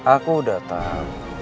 aku udah tahu